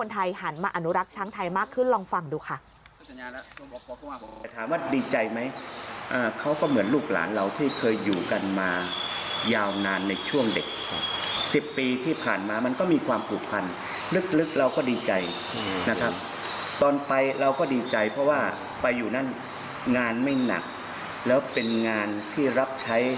ต้องขึ้นเครื่องบินรัสเซียกลับมานะครับ